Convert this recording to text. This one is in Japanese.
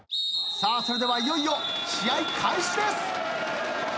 それではいよいよ試合開始です。